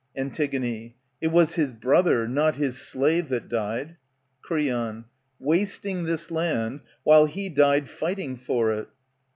Antig, It was his brother, not his slave that died. Creon. Wasting this land, while he died fighting for it.